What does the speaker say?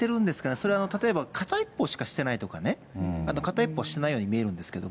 それは例えば片一方しかしてないとかね、片一方はしていないように見えるんですけど。